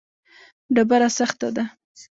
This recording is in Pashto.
ډبره سخته ده.